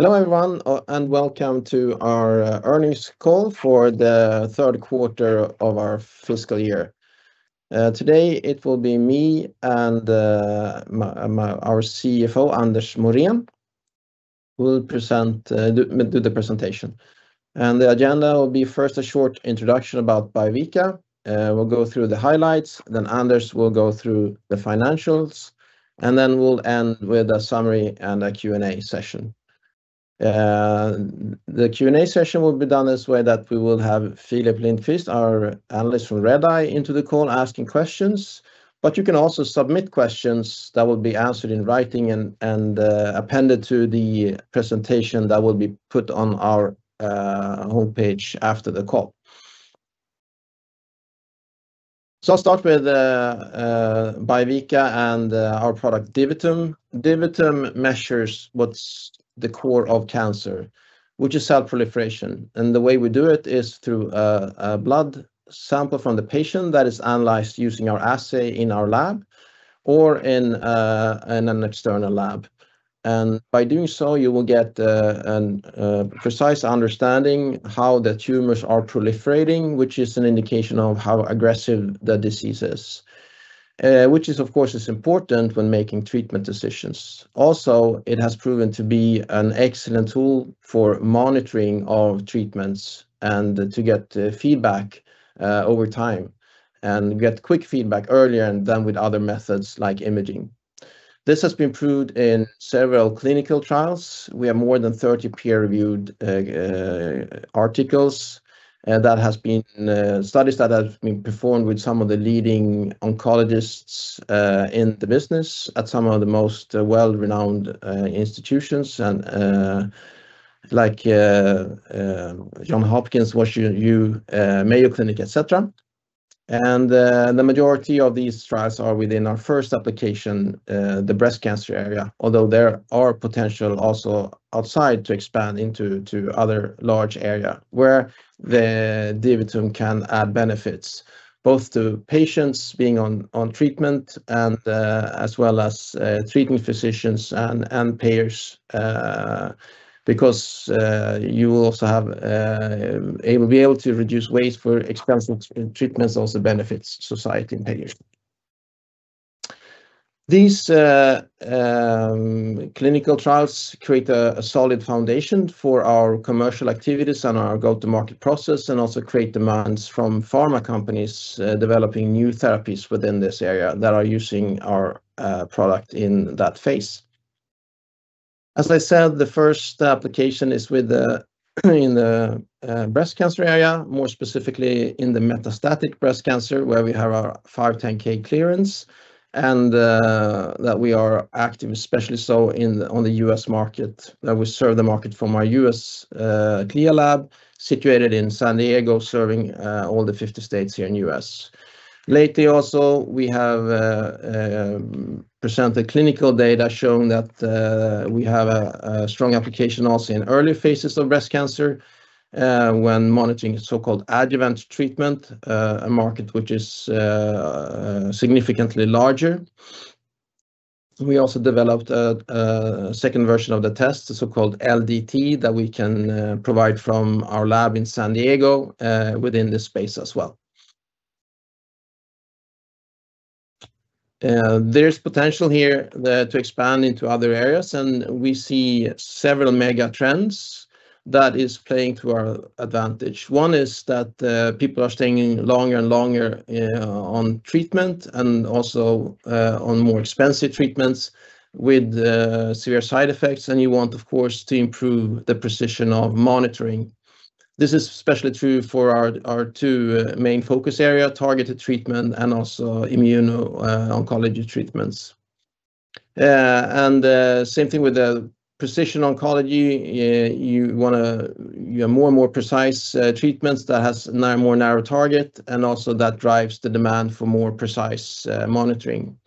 Hello, everyone, and welcome to our earnings call for the third quarter of our fiscal year. Today it will be me and our CFO, Anders Morén, will do the presentation. The agenda will be first a short introduction about Biovica. We'll go through the highlights, then Anders will go through the financials, and then we'll end with a summary and a Q&A session. The Q&A session will be done in a way that we will have Filip Lindkvist, our analyst from Redeye, on the call asking questions, but you can also submit questions that will be answered in writing and appended to the presentation that will be put on our homepage after the call. I'll start with Biovica and our product DiviTum. DiviTum measures what's the core of cancer, which is cell proliferation, and the way we do it is through a blood sample from the patient that is analyzed using our assay in our lab or in an external lab. By doing so, you will get an precise understanding how the tumors are proliferating, which is an indication of how aggressive the disease is, which is, of course, important when making treatment decisions. Also, it has proven to be an excellent tool for monitoring of treatments and to get feedback over time, and we get quick feedback earlier than with other methods like imaging. This has been proved in several clinical trials. We have more than 30 peer-reviewed articles, and that has been studies that have been performed with some of the leading oncologists in the business at some of the most world-renowned institutions and, like, Johns Hopkins, WashU, Mayo Clinic, et cetera. The majority of these trials are within our first application, the breast cancer area, although there are potential also outside to expand into to other large area where the DiviTum can add benefits, both to patients being on treatment and as well as treatment physicians and payers, because you will also have will be able to reduce waste for expensive treatments, also benefits society and payers. These clinical trials create a solid foundation for our commercial activities and our go-to-market process and also create demands from pharma companies developing new therapies within this area that are using our product in that phase. As I said, the first application is in the breast cancer area, more specifically in the metastatic breast cancer, where we have our 510(k) clearance and that we are active, especially so on the U.S. market, that we serve the market from our U.S. CLIA lab situated in San Diego, serving all the 50 states here in U.S. Lately also, we have presented clinical data showing that we have a strong application also in early phases of breast cancer when monitoring so-called adjuvant treatment, a market which is significantly larger. We also developed a second version of the test, the so-called LDT, that we can provide from our lab in San Diego, within this space as well. There's potential here to expand into other areas, and we see several mega trends that is playing to our advantage. One is that people are staying longer and longer on treatment and also on more expensive treatments with severe side effects, and you want, of course, to improve the precision of monitoring. This is especially true for our two main focus area, targeted treatment and also immuno-oncology treatments. Same thing with the precision oncology. You have more and more precise treatments that has more narrow target, and also that drives the demand for more precise monitoring.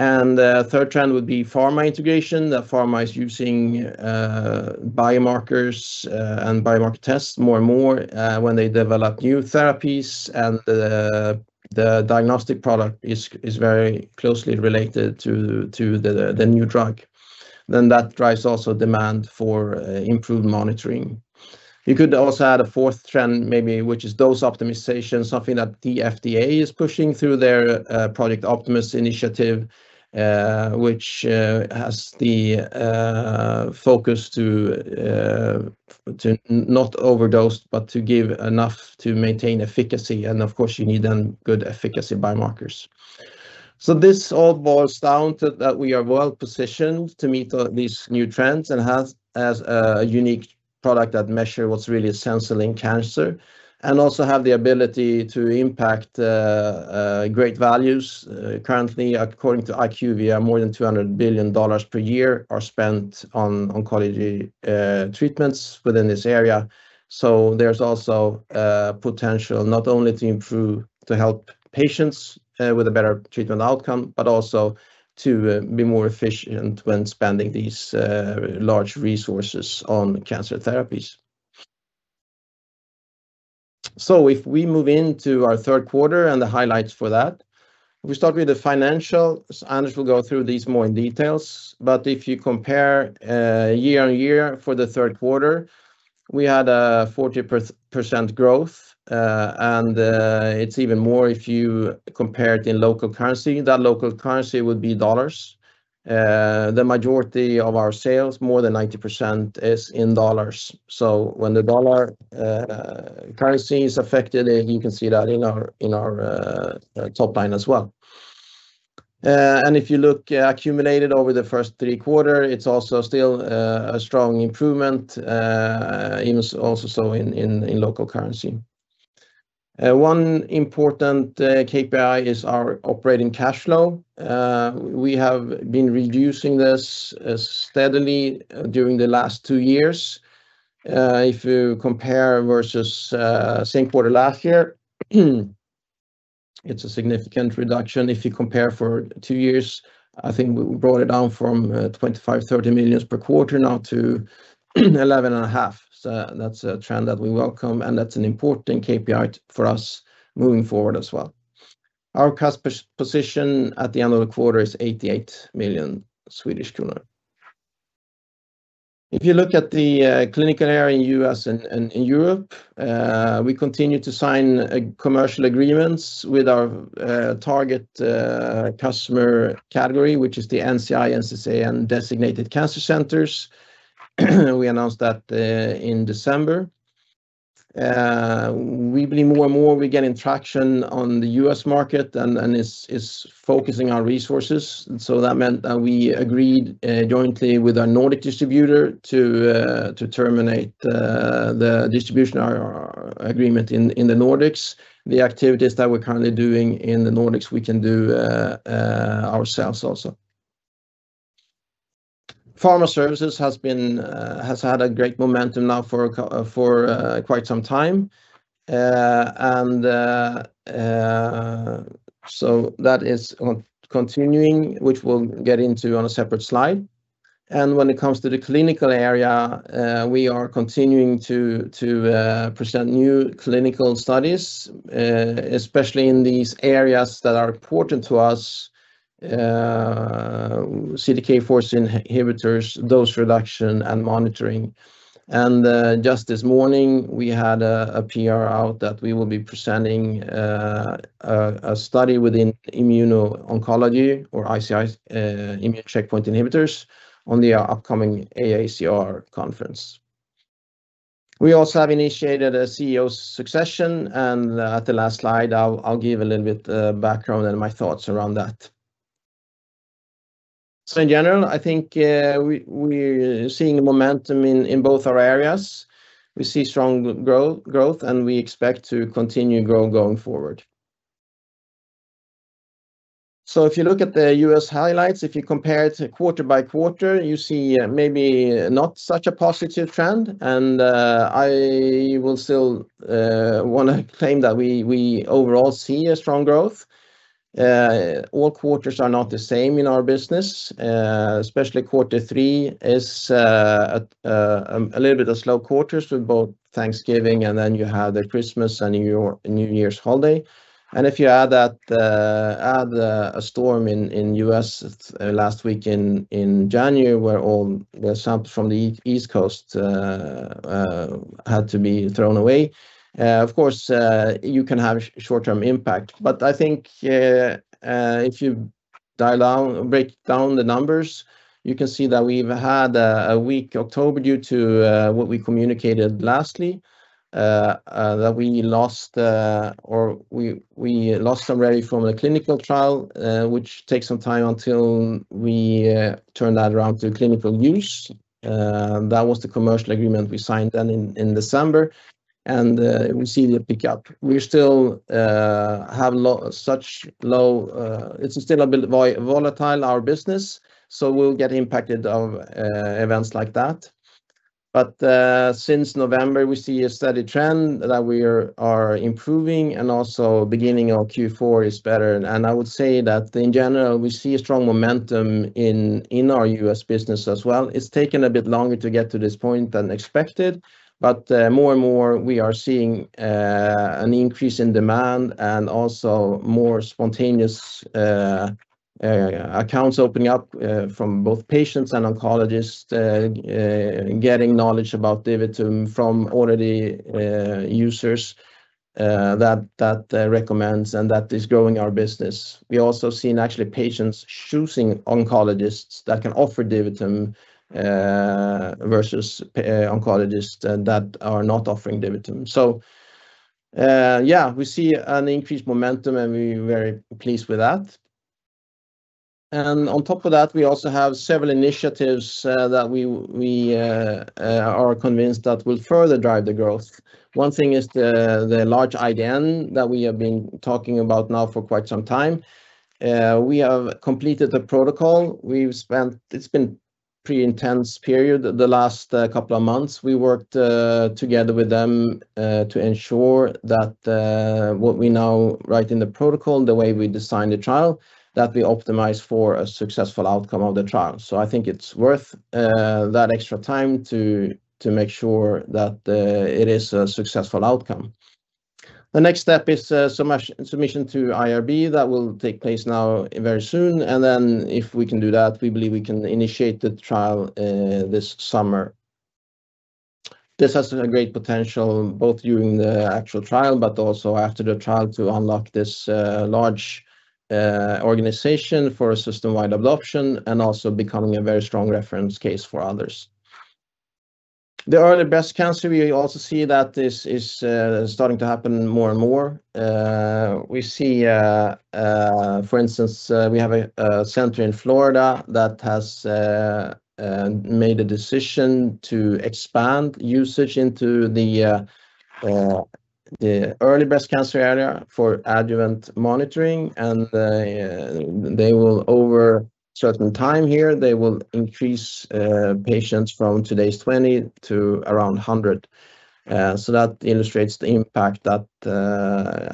The third trend would be pharma integration, that pharma is using biomarkers and biomarker tests more and more when they develop new therapies and the diagnostic product is very closely related to the new drug, then that drives also demand for improved monitoring. You could also add a fourth trend maybe, which is dose optimization, something that the FDA is pushing through their Project Optimus initiative, which has the focus to not overdose, but to give enough to maintain efficacy, and of course you need then good efficacy biomarkers. This all boils down to that we are well positioned to meet these new trends and has a unique product that measure what's really essential in cancer and also have the ability to impact great values. Currently, according to IQVIA, more than $200 billion per year are spent on oncology treatments within this area. There's also potential not only to improve to help patients with a better treatment outcome, but also to be more efficient when spending these large resources on cancer therapies. If we move into our third quarter and the highlights for that, we start with the financials. Anders will go through these more in detail. If you compare year-on-year for the third quarter, we had a 40% growth. It's even more if you compare it in local currency. That local currency would be dollars. The majority of our sales, more than 90% is in dollars. When the dollar currency is affected, you can see that in our top line as well. If you look accumulated over the first three quarters, it's also still a strong improvement in local currency. One important KPI is our operating cash flow. We have been reducing this steadily during the last two years. If you compare versus same quarter last year, it's a significant reduction. If you compare for two years, I think we brought it down from 25 million-30 million per quarter to 11.5 million. That's a trend that we welcome, and that's an important KPI for us moving forward as well. Our cash position at the end of the quarter is 88 million Swedish kronor. If you look at the clinical area in U.S. and in Europe, we continue to sign commercial agreements with our target customer category, which is the NCI, NCCN designated cancer centers. We announced that in December. We believe more and more we're getting traction on the U.S. market and is focusing our resources. That meant that we agreed jointly with our Nordic distributor to terminate the distribution agreement in the Nordics. The activities that we're currently doing in the Nordics, we can do ourselves also. Pharma Services has had a great momentum now for quite some time. That is continuing, which we'll get into on a separate slide. When it comes to the clinical area, we are continuing to present new clinical studies, especially in these areas that are important to us, CDK4 inhibitors, dose reduction, and monitoring. Just this morning, we had a PR out that we will be presenting a study within immuno-oncology or immune checkpoint inhibitors on the upcoming AACR conference. We also have initiated a CEO succession, and at the last slide, I'll give a little bit background and my thoughts around that. In general, I think we're seeing momentum in both our areas. We see strong growth, and we expect to continue growing going forward. If you look at the U.S. highlights, if you compare it quarter by quarter, you see maybe not such a positive trend. I will still wanna claim that we overall see a strong growth. All quarters are not the same in our business. Especially quarter three is a little bit of slow quarters with both Thanksgiving, and then you have the Christmas and New Year's holiday. If you add that, a storm in U.S. last week in January, where all the samples from the East Coast had to be thrown away, of course you can have short-term impact. I think, if you break down the numbers, you can see that we've had a weak October due to what we communicated lastly, that we lost some revenue from the clinical trial, which takes some time until we turn that around to clinical use. That was the commercial agreement we signed then in December. We see the pickup. We still have such low. It's still a bit volatile, our business, so we'll get impacted by events like that. Since November, we see a steady trend that we are improving and also, beginning our Q4, is better. I would say that in general, we see a strong momentum in our U.S. business as well. It's taken a bit longer to get to this point than expected, but more and more we are seeing an increase in demand and also more spontaneous accounts opening up from both patients and oncologists getting knowledge about DiviTum from already users that recommends, and that is growing our business. We also seen actually patients choosing oncologists that can offer DiviTum versus oncologists that are not offering DiviTum. Yeah, we see an increased momentum, and we're very pleased with that. On top of that, we also have several initiatives that we are convinced that will further drive the growth. One thing is the large IDN that we have been talking about now for quite some time. We have completed the protocol. It's been pretty intense period the last couple of months. We worked together with them to ensure that what we now write in the protocol, the way we design the trial, that we optimize for a successful outcome of the trial. I think it's worth that extra time to make sure that it is a successful outcome. The next step is submission to IRB. That will take place now very soon. Then if we can do that, we believe we can initiate the trial this summer. This has a great potential, both during the actual trial but also after the trial, to unlock this large organization for a system-wide adoption and also becoming a very strong reference case for others. The early breast cancer, we also see that this is starting to happen more and more. We see for instance we have a center in Florida that has made a decision to expand usage into the early breast cancer area for adjuvant monitoring. They will over certain time here increase patients from today's 20 to around 100. That illustrates the impact that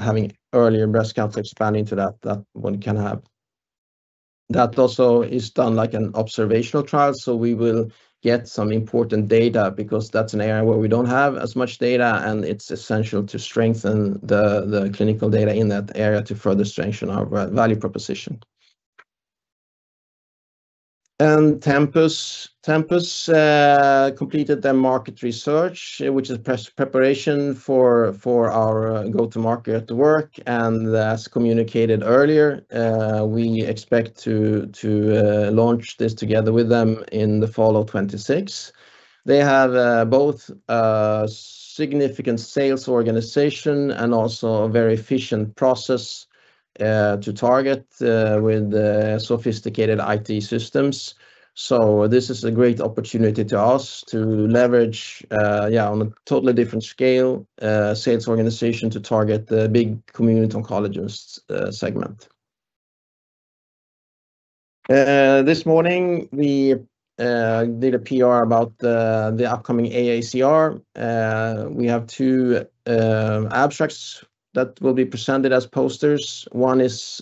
having earlier breast cancer expanding to that one can have. That also is done like an observational trial, so we will get some important data because that's an area where we don't have as much data, and it's essential to strengthen the clinical data in that area to further strengthen our value proposition. Tempus. Tempus completed their market research, which is preparation for our go-to-market work. As communicated earlier, we expect to launch this together with them in the fall of 2026. They have both significant sales organization and also a very efficient process to target with sophisticated IT systems. This is a great opportunity to us to leverage on a totally different scale sales organization to target the big community oncologist segment. This morning we did a PR about the upcoming AACR. We have two abstracts that will be presented as posters. One is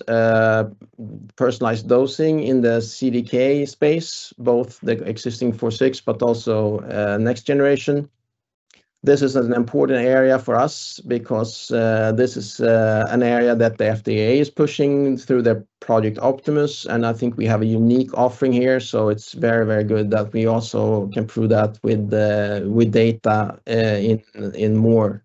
personalized dosing in the CDK space, both the existing 4/6, but also next generation. This is an important area for us because this is an area that the FDA is pushing through their Project Optimus, and I think we have a unique offering here. It's very, very good that we also can prove that with data in more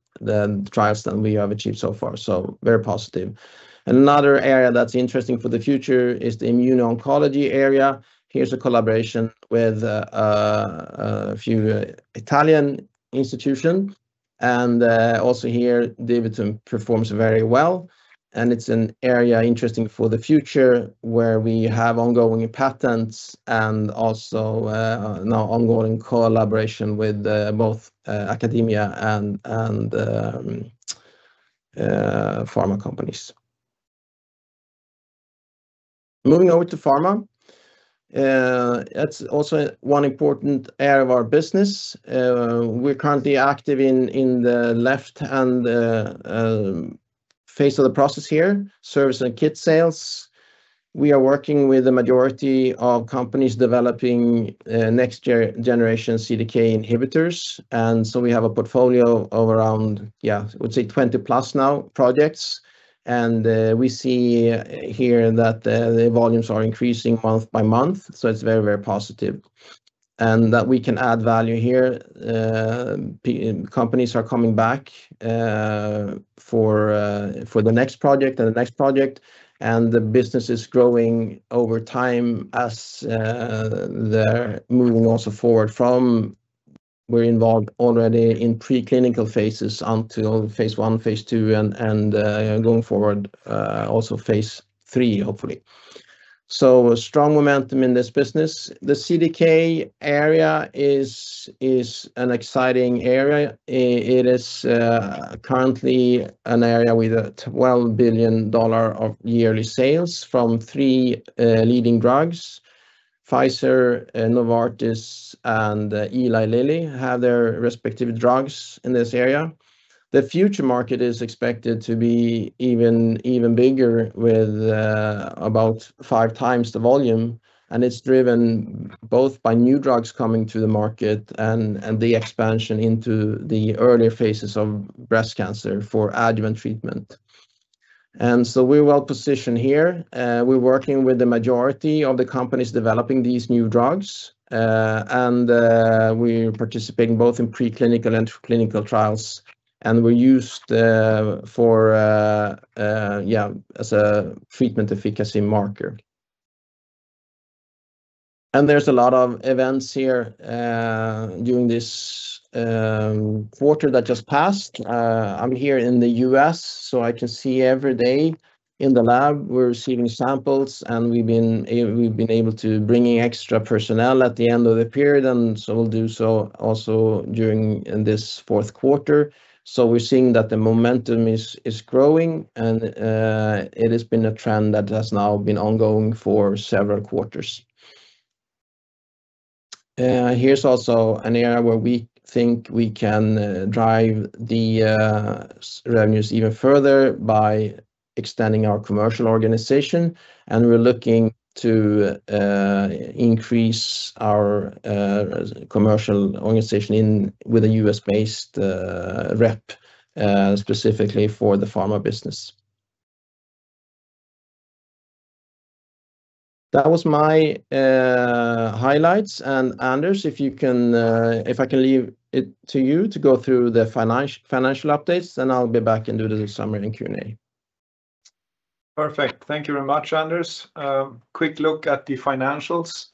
trials than we have achieved so far. Very positive. Another area that's interesting for the future is the immune oncology area. Here's a collaboration with a few Italian institution, and also here, DiviTum performs very well. It's an area interesting for the future where we have ongoing patents and also now ongoing collaboration with both academia and pharma companies. Moving over to pharma, that's also one important area of our business. We're currently active in the left-hand phase of the process here, service and kit sales. We are working with the majority of companies developing next generation CDK inhibitors. We have a portfolio of around, yeah, I would say 20+ projects. We see here that the volumes are increasing month by month. It's very positive. That we can add value here. Companies are coming back for the next project, and the business is growing over time as they're moving also forward from. We're involved already in preclinical phases until phase I, phase II, and going forward also phase III, hopefully. Strong momentum in this business. The CDK area is an exciting area. It is currently an area with a $12 billion of yearly sales from three leading drugs. Pfizer, Novartis, and Eli Lilly have their respective drugs in this area. The future market is expected to be even bigger with about five times the volume, and it's driven both by new drugs coming to the market and the expansion into the earlier phases of breast cancer for adjuvant treatment. We're well-positioned here. We're working with the majority of the companies developing these new drugs, and we're participating both in preclinical and clinical trials, and we're used as a treatment efficacy marker. There's a lot of events here during this quarter that just passed. I'm here in the U.S., so I can see every day in the lab, we're receiving samples, and we've been able to bring in extra personnel at the end of the period, and so we'll do so also during this fourth quarter. We're seeing that the momentum is growing, and it has been a trend that has now been ongoing for several quarters. Here's also an area where we think we can drive the revenues even further by extending our commercial organization. We're looking to increase our commercial organization with a U.S.-based rep specifically for the pharma business. That was my highlights. Anders, if I can leave it to you to go through the financial updates, then I'll be back and do the summary and Q&A. Perfect. Thank you very much, Anders. Quick look at the financials.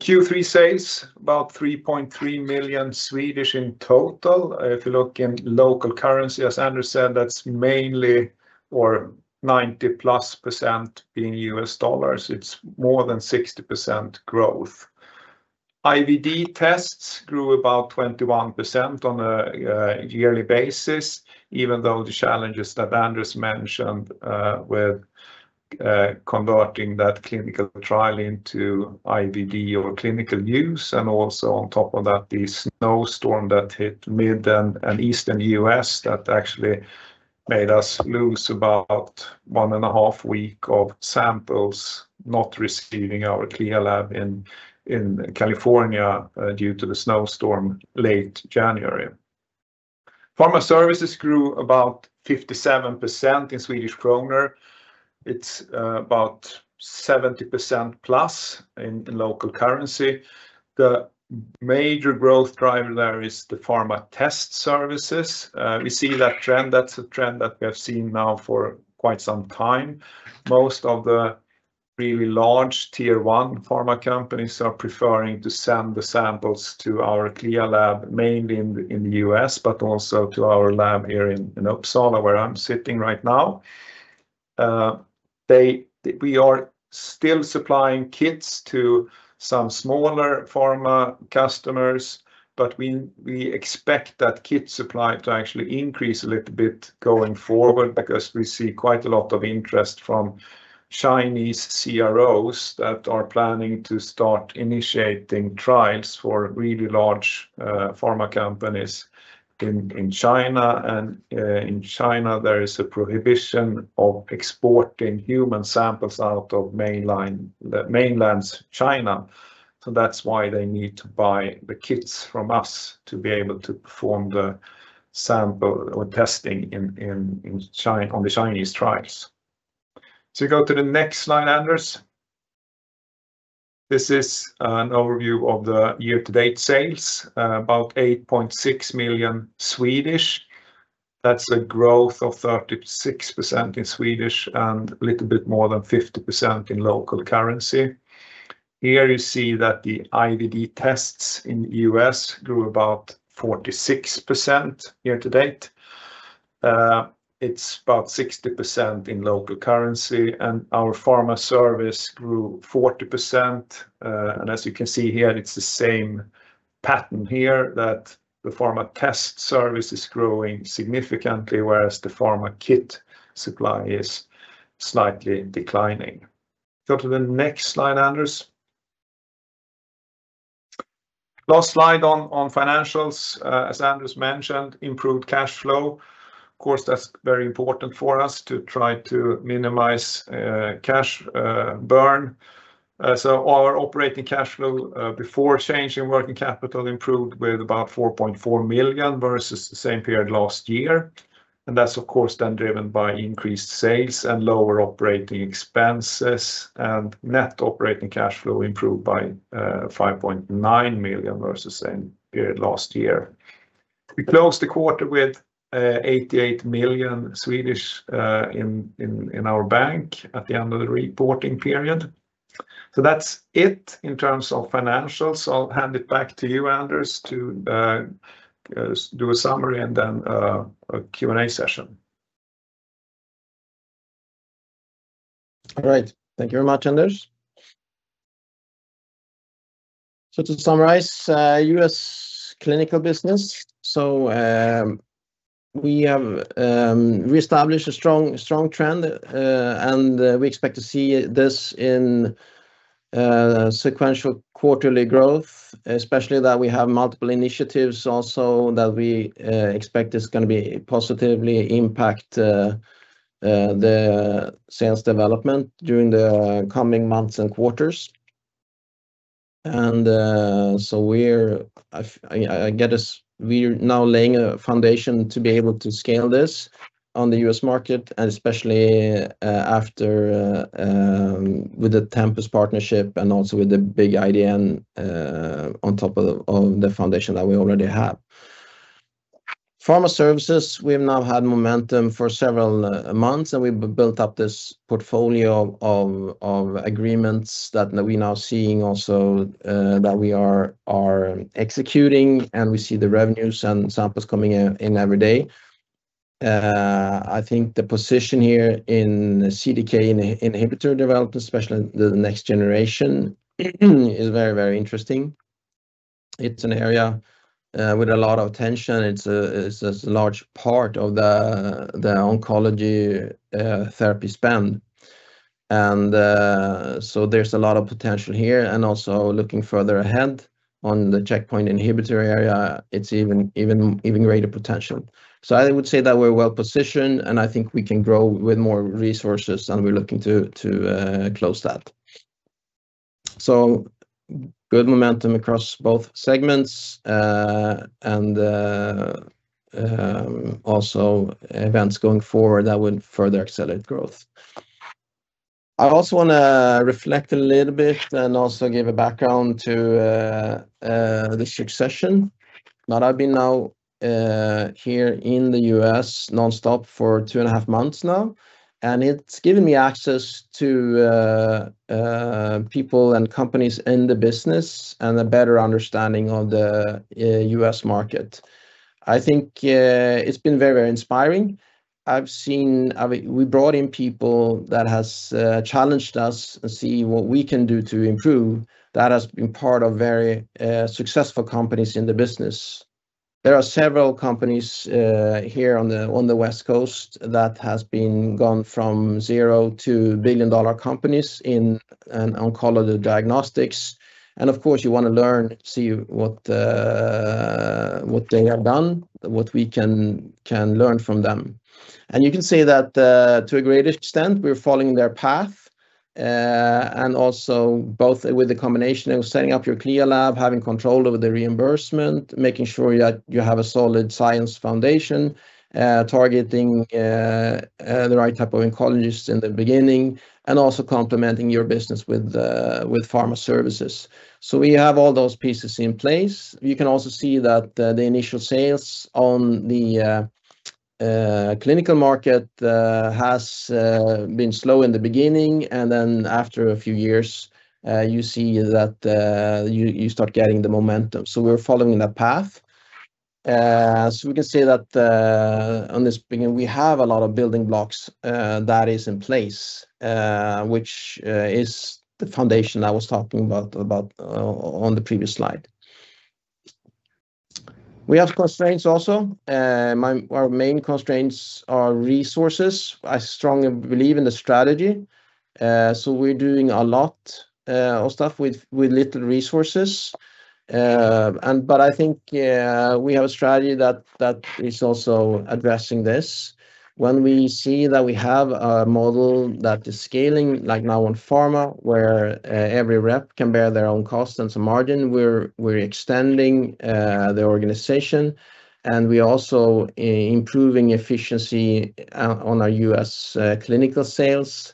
Q3 sales, about 3.3 million in total. If you look in local currency, as Anders said, that's mainly or 90+% being U.S. dollars. It's more than 60% growth. IVD tests grew about 21% on a yearly basis, even though the challenges that Anders mentioned with converting that clinical trial into IVD or clinical use, and also on top of that, the snowstorm that hit mid and eastern U.S. that actually made us lose about one and a half weeks of samples not receiving our CLIA lab in California due to the snowstorm late January. Pharma Services grew about 57% in Swedish kronor. It's about 70%+ in local currency. The major growth driver there is the pharma test services. We see that trend. That's a trend that we have seen now for quite some time. Most of the really large Tier 1 pharma companies are preferring to send the samples to our CLIA lab, mainly in the U.S., but also to our lab here in Uppsala, where I'm sitting right now. We are still supplying kits to some smaller pharma customers, but we expect that kit supply to actually increase a little bit going forward because we see quite a lot of interest from Chinese CROs that are planning to start initiating trials for really large pharma companies in China. In China, there is a prohibition of exporting human samples out of mainland China. That's why they need to buy the kits from us to be able to perform the sample or testing in China, on the Chinese trials. Go to the next slide, Anders. This is an overview of the year-to-date sales, about 8.6 million. That's a growth of 36% in Swedish and a little bit more than 50% in local currency. Here you see that the IVD tests in U.S. grew about 46% year-to-date. It's about 60% in local currency, and our Pharma Service grew 40%. And as you can see here, it's the same pattern that the pharma test service is growing significantly, whereas the pharma kit supply is slightly declining. Go to the next slide, Anders. Last slide on financials. As Anders mentioned, improved cash flow. Of course, that's very important for us to try to minimize cash burn. Our operating cash flow before change in working capital improved with about 4.4 million versus the same period last year. That's of course then driven by increased sales and lower operating expenses, and net operating cash flow improved by 5.9 million versus same period last year. We closed the quarter with 88 million in our bank at the end of the reporting period. That's it in terms of financials. I'll hand it back to you, Anders, to do a summary and then a Q&A session. All right. Thank you very much, Anders. To summarize, U.S. clinical business. We have reestablished a strong trend, and we expect to see this in sequential quarterly growth, especially that we have multiple initiatives also that we expect is gonna be positively impact the sales development during the coming months and quarters. I guess we're now laying a foundation to be able to scale this on the U.S. market, and especially after with the Tempus partnership and also with the big IDN on top of the foundation that we already have. Pharma Services, we have now had momentum for several months, and we've built up this portfolio of agreements that we're now seeing also that we are executing, and we see the revenues and samples coming in every day. I think the position here in CDK inhibitor development, especially the next generation, is very interesting. It's an area with a lot of tension. It's a large part of the oncology therapy spend. So there's a lot of potential here. Also looking further ahead on the checkpoint inhibitor area, it's even greater potential. I would say that we're well-positioned, and I think we can grow with more resources, and we're looking to close that. Good momentum across both segments, and also events going forward that would further accelerate growth. I also wanna reflect a little bit and also give a background to the succession. Now, I've been here in the U.S. nonstop for 2.5 months now, and it's given me access to people and companies in the business and a better understanding of the U.S. market. I think it's been very inspiring. I've seen. I mean, we brought in people that has challenged us and see what we can do to improve that has been part of very successful companies in the business. There are several companies here on the West Coast that has been gone from zero to billion-dollar companies in oncology diagnostics. Of course, you wanna learn, see what they have done, what we can learn from them. You can see that, to a great extent we're following their path, and also both with the combination of setting up your CLIA lab, having control over the reimbursement, making sure that you have a solid science foundation, targeting the right type of oncologists in the beginning, and also complementing your business with Pharma Services. We have all those pieces in place. You can also see that the initial sales on the clinical market has been slow in the beginning, and then after a few years, you see that you start getting the momentum. We're following that path. We can see that, on this beginning, we have a lot of building blocks that is in place, which is the foundation I was talking about about on the previous slide. We have constraints also. Our main constraints are resources. I strongly believe in the strategy. We're doing a lot of stuff with little resources. I think we have a strategy that is also addressing this. When we see that we have a model that is scaling, like now on pharma, where every rep can bear their own cost and some margin, we're extending the organization, and we're also improving efficiency on our U.S. clinical sales.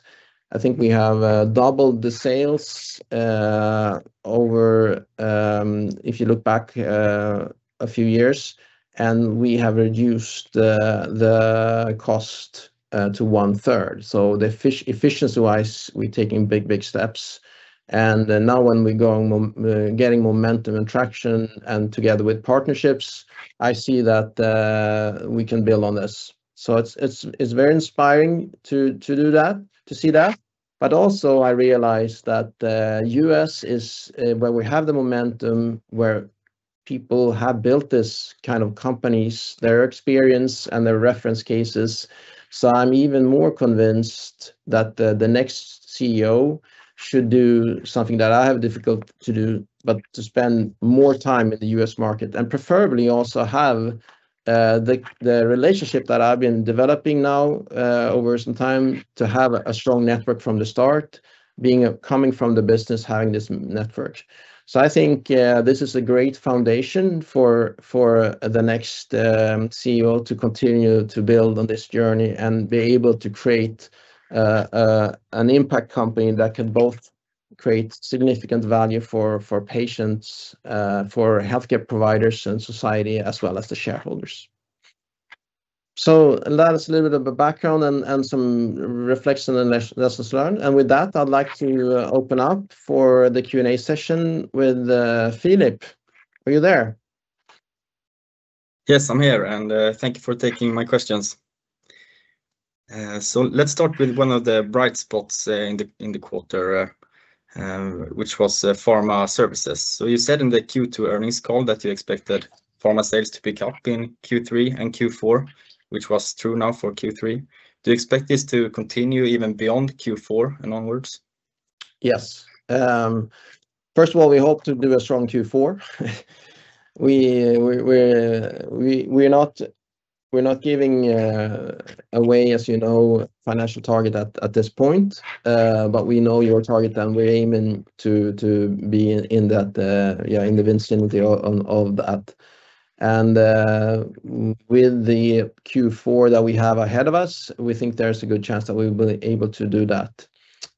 I think we have doubled the sales over if you look back a few years, and we have reduced the cost to one-third. Efficiency-wise, we're taking big steps. Now when we're getting momentum and traction and together with partnerships, I see that we can build on this. It's very inspiring to do that, to see that. Also, I realize that the U.S. is where we have the momentum, where people have built this kind of companies, their experience and their reference cases. I'm even more convinced that the next CEO should do something that I have difficult to do but to spend more time in the U.S. market and preferably also have the relationship that I've been developing now over some time to have a strong network from the start, coming from the business, having this network. I think this is a great foundation for the next CEO to continue to build on this journey and be able to create an impact company that can both create significant value for patients, for healthcare providers and society, as well as the shareholders. That is a little bit of a background and some reflection and lessons learned. With that, I'd like to open up for the Q&A session with Filip. Are you there? Yes, I'm here. Thank you for taking my questions. Let's start with one of the bright spots in the quarter, which was Pharma Services. You said in the Q2 earnings call that you expected pharma sales to pick up in Q3 and Q4, which was true now for Q3. Do you expect this to continue even beyond Q4 and onwards? Yes. First of all, we hope to do a strong Q4. We're not giving away, as you know, financial target at this point. But we know your target, and we're aiming to be in that, yeah, in the vicinity of that. With the Q4 that we have ahead of us, we think there's a good chance that we'll be able to do that.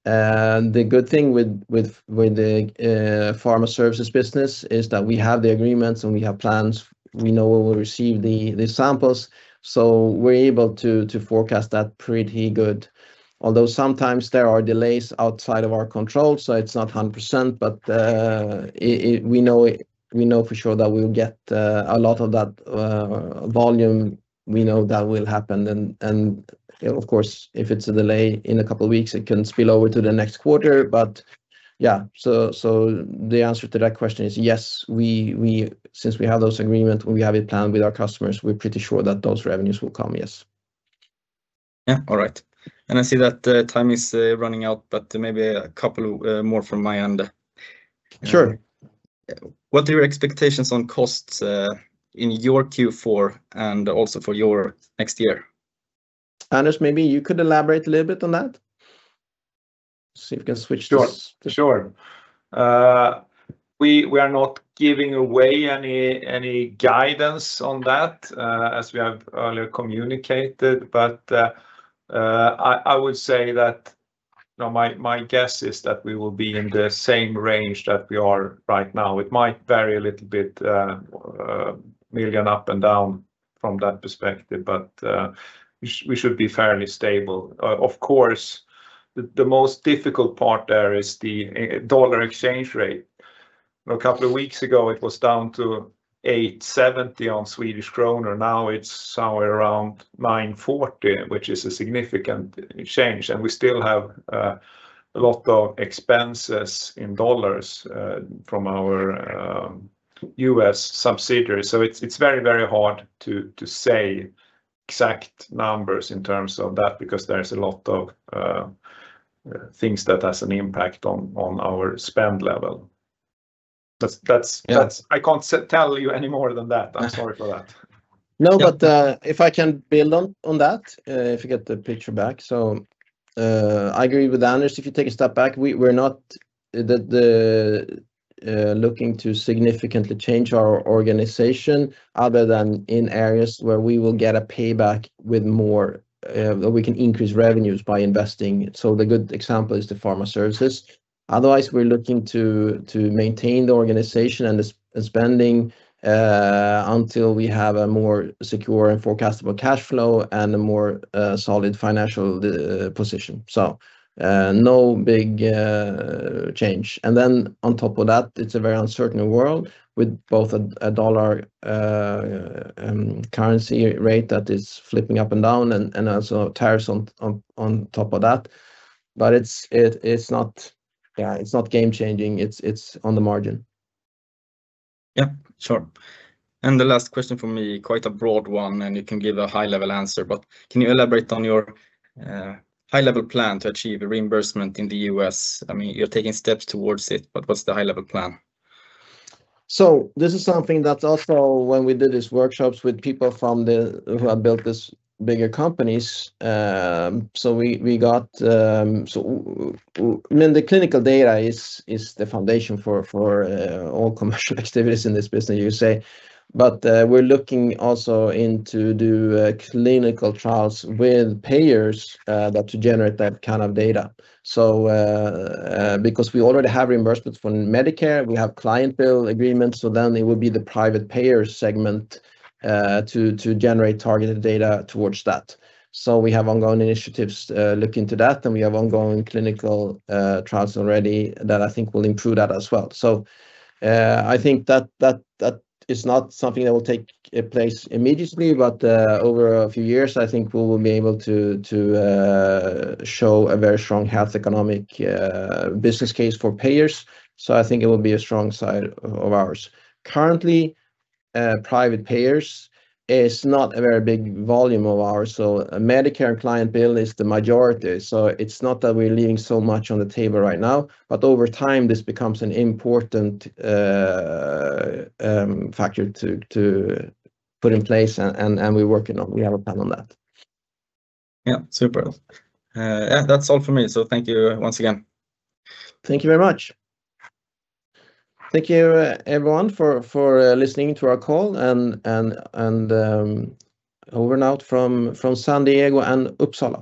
The good thing with the Pharma Services business is that we have the agreements, and we have plans. We know when we'll receive the samples, so we're able to forecast that pretty good. Although sometimes there are delays outside of our control, so it's not 100%. We know for sure that we'll get a lot of that volume. We know that will happen. Of course, if it's a delay in a couple of weeks, it can spill over to the next quarter. Yeah, so the answer to that question is yes. Since we have those agreements, we have it planned with our customers, we're pretty sure that those revenues will come, yes. Yeah. All right. I see that time is running out, but maybe a couple more from my end. Sure. What are your expectations on costs in your Q4 and also for your next year? Anders, maybe you could elaborate a little bit on that. See if you can switch. Sure. We are not giving away any guidance on that, as we have earlier communicated. I would say that, you know, my guess is that we will be in the same range that we are right now. It might vary a little bit, million up and down from that perspective, but we should be fairly stable. Of course, the most difficult part there is the dollar exchange rate. A couple of weeks ago, it was down to 8.70 on Swedish Krona. Now it's somewhere around 9.40, which is a significant change. We still have a lot of expenses in dollars, from our U.S. subsidiaries. It's very, very hard to say exact numbers in terms of that because there's a lot of things that has an impact on our spend level. Yeah. I can't tell you any more than that. I'm sorry for that. No, if I can build on that, if you get the picture back. I agree with Anders. If you take a step back, we're not looking to significantly change our organization other than in areas where we will get a payback with more, we can increase revenues by investing. The good example is the Pharma Services. Otherwise, we're looking to maintain the organization and the spending until we have a more secure and forecastable cash flow and a more solid financial position. No big change. On top of that, it's a very uncertain world with both a dollar currency rate that is flipping up and down and also tariffs on top of that. It is not game changing. It's on the margin. Yeah, sure. The last question for me, quite a broad one, and you can give a high-level answer, but can you elaborate on your high-level plan to achieve a reimbursement in the U.S.? I mean, you're taking steps towards it, but what's the high-level plan? This is something that also when we did these workshops with people who have built these big companies, we got, I mean, the clinical data is the foundation for all commercial activities in this business, you say. We're looking also into doing clinical trials with payers that generate that kind of data. Because we already have reimbursements from Medicare, we have client billing agreements, so then it would be the private payer segment to generate targeted data towards that. We have ongoing initiatives looking into that, and we have ongoing clinical trials already that I think will improve that as well. I think that is not something that will take place immediately, but over a few years, I think we will be able to show a very strong health economic business case for payers. I think it will be a strong side of ours. Currently, private payers is not a very big volume of ours, so Medicare and client billing is the majority. It's not that we're leaving so much on the table right now, but over time, this becomes an important factor to put in place and we're working on. We have a plan on that. Yeah. Super. Yeah, that's all for me. Thank you once again. Thank you very much. Thank you everyone for listening to our call and over and out from San Diego and Uppsala.